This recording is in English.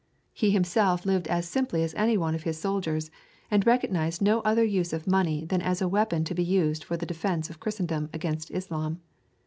He himself lived as simply as anyone of his soldiers, and recognized no other use of money than as a weapon to be used for the defence of Christendom against Islam.